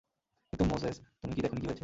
কিন্তু মোসেস, তুমি কি দেখোনি কী হয়েছে?